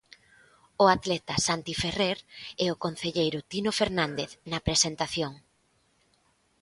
O atleta Santi Ferrer e o concelleiro Tino Fernández, na presentación.